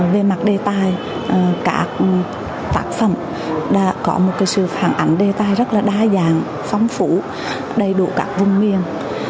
về mặt đề tài các tác phẩm đã có một cái sự phản ảnh đề tài rất là đa dạng phóng phủ đầy đủ các vùng miền